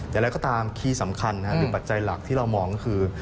อย่างไรก็ตามคีย์สำคัญหนึ่งปัจจัยหลักที่เรามองก็คือ